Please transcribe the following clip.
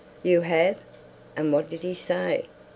"You have! and what did he say?"